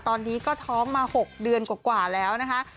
ตอนนี้ก็ท้องมา๖เดือนกว่าแล้วนะคะ